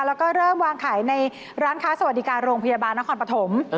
แล้วก็เริ่มวางขายในร้านค้าสวัสดิการโรงพยาบาลนครปฐม